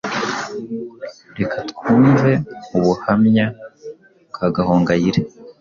Reka twumve ubuhamya bwa Gahongayire,